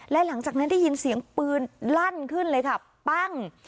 และหลังจากนั้นได้ยินเสียงปืนลั่นขึ้นเลยค่ะปั้ง